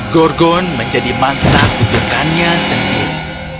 gorgon menjadi mangsa kudukannya sendiri